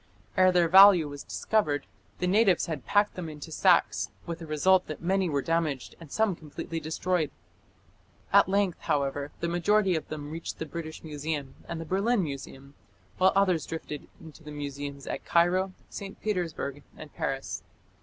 Ere their value was discovered, the natives had packed them into sacks, with the result that many were damaged and some completely destroyed. At length, however, the majority of them reached the British Museum and the Berlin Museum, while others drifted into the museums at Cairo, St. Petersburg, and Paris.